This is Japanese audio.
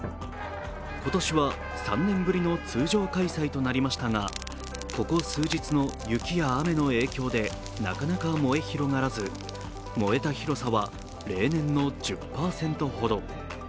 今年は３年ぶりの通常開催となりましたがここ数日の雪や雨の影響でなかなか燃え広がらず、燃えた広さは例年の１０％ほど。